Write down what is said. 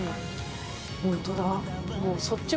本当だ。